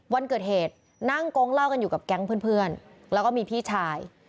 วันเกิดเหตุนั่งโก๊งเล่ากันอยู่กับแก๊งเพื่อนแล้วก็มีพี่ชาย